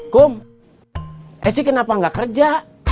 kum eh sih kenapa nggak kerja